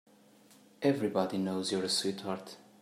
Everybody knows you're a sweetheart.